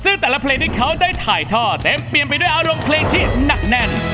ซึ่งแต่ละเพลงที่เขาได้ถ่ายท่อเต็มเปลี่ยนไปด้วยอารมณ์เพลงที่หนักแน่น